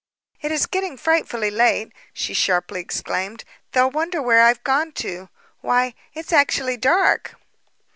"It is getting frightfully late," she sharply exclaimed. "They'll wonder where I've gone to. Why, it's actually dark."